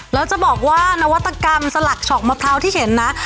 แล้วจะบอกว่านวัตกรรมสลักฉอกมะพร้าวที่เห็นนะ